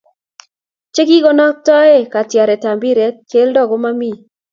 Chekikonobtoe katyaretab mpiretab Keldo komomi?